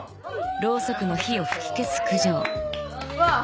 うわっ！